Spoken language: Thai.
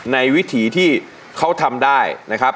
วิถีที่เขาทำได้นะครับ